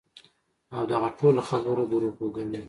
او دغه ټوله خبره دروغ وګڼی -